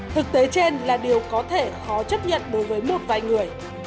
thực tế trên là điều có thể khó chấp nhận đối với một vài người